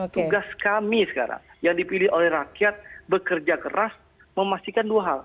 tugas kami sekarang yang dipilih oleh rakyat bekerja keras memastikan dua hal